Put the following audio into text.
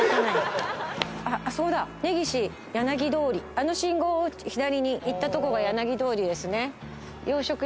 あの信号を左に行ったとこが柳通りですね。